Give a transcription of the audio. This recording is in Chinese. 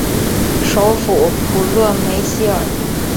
首府普热梅希尔。